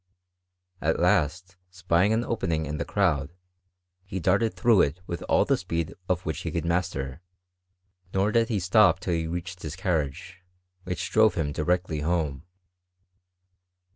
M last, spying an opening in the crowd, he darted througli it with all the speed of which he was master ; nor (lid he stop till he reached his carriage, which drove him directly home.